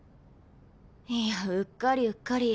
いやうっかりうっかり。